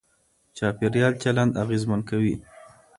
چاپېريال چلند اغېزمن کوي.